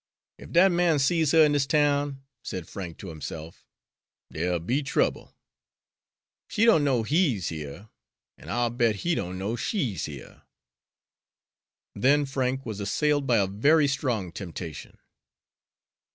"Ef dat man sees her in dis town," said Frank to himself, "dere'll be trouble. She don't know HE'S here, an' I'll bet he don't know SHE'S here." Then Frank was assailed by a very strong temptation.